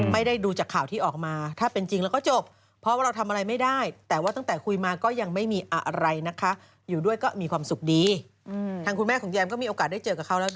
ไม่ได้ดูจากข่าวที่ออกมา